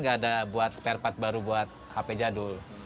nggak ada buat sperpat baru buat hp jadul